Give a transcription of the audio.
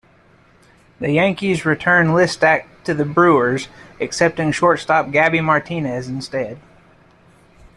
The Yankees returned Listach to the Brewers, accepting shortstop Gabby Martinez instead.